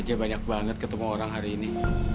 cuma capek aja banyak banget ketemu orang hari ini